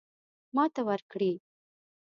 ماته ورکړي.